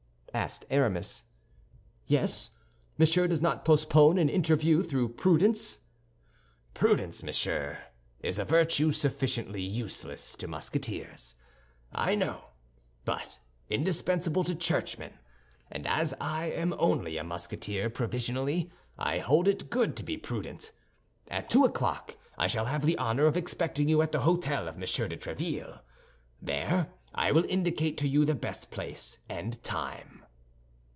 asked Aramis. "Yes. Monsieur does not postpone an interview through prudence?" "Prudence, monsieur, is a virtue sufficiently useless to Musketeers, I know, but indispensable to churchmen; and as I am only a Musketeer provisionally, I hold it good to be prudent. At two o'clock I shall have the honor of expecting you at the hôtel of Monsieur de Tréville. There I will indicate to you the best place and time."